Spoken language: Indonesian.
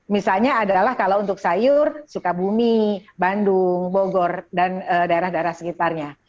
misalnya adalah kalau untuk sayur sukabumi bandung bogor dan daerah daerah sekitarnya